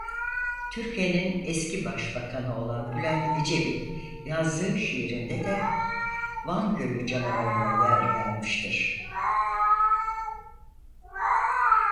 Türkiye'nin eski başbakanı olan Bülent Ecevit yazdığı şiirinde de Van Gölü Canavarı'na yer vermiştir.